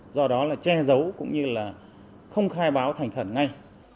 do đó là che giấu cũng như là không khai báo thành khẩn ngay